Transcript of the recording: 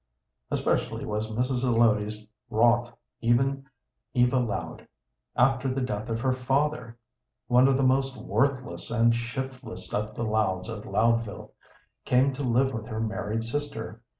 Especially was Mrs. Zelotes wroth when Eva Loud, after the death of her father, one of the most worthless and shiftless of the Louds of Loudville, came to live with her married sister.